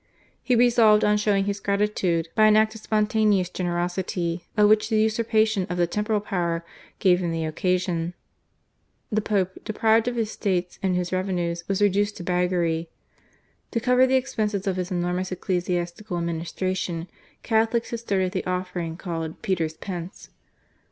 He resolved on showing his gratitude by an act of spontaneous generosity, of which the usurpation of the temporal power gave him the occasion. The Pope, deprived of his States and his revenues, was reduced to beggary. To cover the expenses of his enormous ecclesiastical administration. Catholics had started the offering called Peter's Pence.